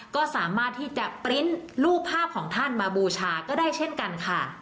ก็สามารถที่จะปริ้นต์รูปภาพของท่านมาบูชาก็ได้เช่นกันค่ะ